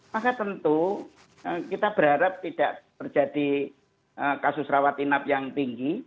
maka tentu kita berharap tidak terjadi kasus rawat inap yang tinggi